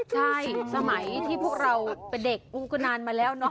ใช่สมัยที่พวกเราเป็นเด็กก็นานมาแล้วเนาะ